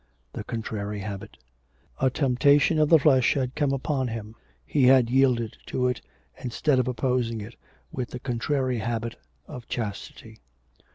The contrary habit.' A temptation of the flesh had come upon him; he had yielded to it instead of opposing it with the contrary habit of chastity.